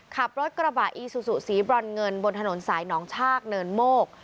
ขับรถกระบะอีซูซูสีบรอนเงินบนถนนสายหนองชากเนินโมก